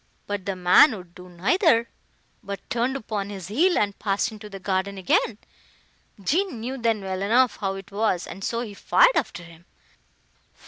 But the man would do neither; but turned upon his heel, and passed into the garden again. Jean knew then well enough how it was, and so he fired after him."